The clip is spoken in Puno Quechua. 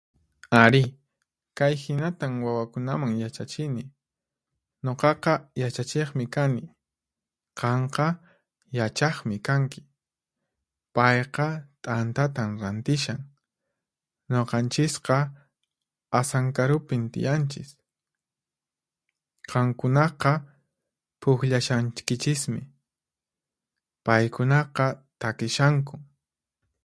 Ari, kay hinatan wawakunaman yachachini: Nuqaqa yachachiqmi kani. Qanqa yachaqmi kanki. Payqa t'antatan rantishan. Nuqanchisqa Asankarupin tiyanchis. Qankunaqa puqllashankichismi. Paykunaqa takishankun.